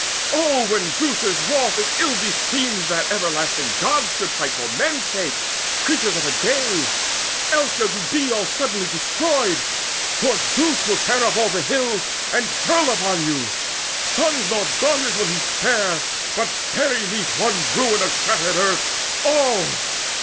O, when Zeus is wroth, It ill beseems that everlasting Gods Should fight for men's sake, creatures of a day: Else shall ye be all suddenly destroyed; For Zeus will tear up all the hills, and hurl Upon you: sons nor daughters will he spare, But bury 'neath one ruin of shattered earth All.